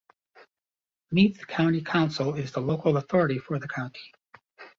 Meath County Council is the local authority for the county.